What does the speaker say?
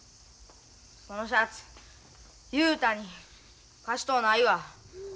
そのシャツ雄太に貸しとうないわ。